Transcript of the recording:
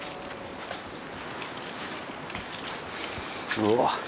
うわっ